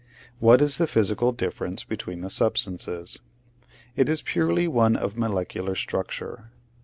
What is the physical difference between the substances ? It is purely one of molecular structure.